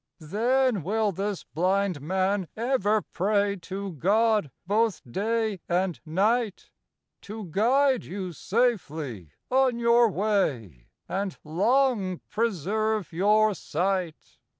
I Then will this blind man over pray ! To God both day and night I To guide you safely on your way, ! And long preserve your sight.